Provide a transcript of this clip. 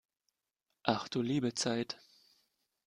Ach du liebe Zeit!